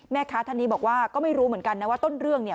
ท่านนี้บอกว่าก็ไม่รู้เหมือนกันนะว่าต้นเรื่องเนี่ย